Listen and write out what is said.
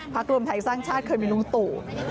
รวมไทยสร้างชาติเคยมีลุงตู่